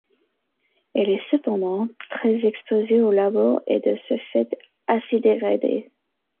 Elle est cependant très exposée aux labours et de ce fait assez dégradée.